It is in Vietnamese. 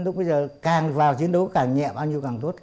lúc bây giờ càng vào chiến đấu càng nhẹ bao nhiêu càng tốt